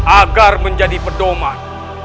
agar menjadi pedoman